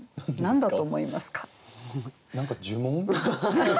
何か呪文？